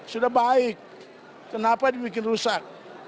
sudah baik kenapa dibikin rusak